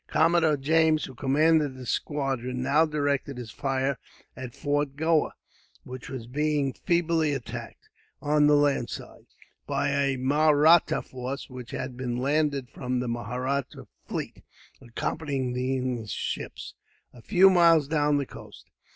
Commodore James, who commanded the squadron, now directed his fire at Fort Goa; which was being feebly attacked, on the land side, by a Mahratta force; which had been landed from the Mahratta fleet, accompanying the English ships, a few miles down the coast.